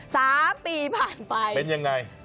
สามปีผ่านไปเป็นยังไง